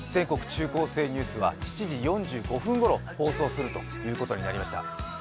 中高生ニュース」は７時４５分ごろ放送するということになりました。